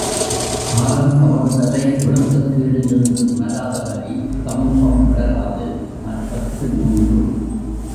காலந் தவறுதலை ஒழுக்கக்கேடு என்று உணராதவரை சமூகம் வளராது! நாற்பத்து மூன்று.